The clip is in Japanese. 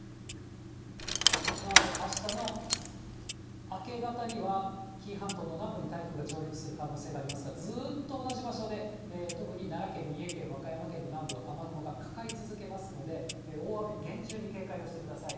このあとあしたの明け方には、紀伊半島の南部に台風が上陸する可能性がありますから、ずっと同じ場所で、特に奈良県、三重県、和歌山県の南部、雨雲がかかり続けますので、大雨に厳重に警戒をしてください。